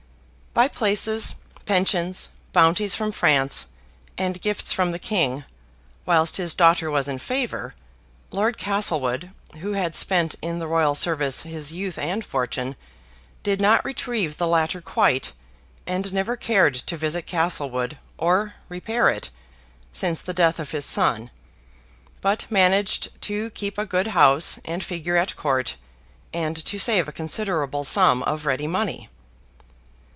By places, pensions, bounties from France, and gifts from the King, whilst his daughter was in favor, Lord Castlewood, who had spent in the Royal service his youth and fortune, did not retrieve the latter quite, and never cared to visit Castlewood, or repair it, since the death of his son, but managed to keep a good house, and figure at Court, and to save a considerable sum of ready money.